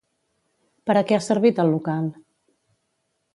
Per a què ha servit el local?